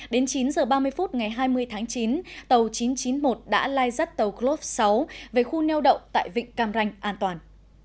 đến chín h ba mươi phút ngày hai mươi tháng chín tàu chín trăm chín mươi một đã lai dắt tàu glove sáu về khu neo đậu tại vịnh cam ranh an toàn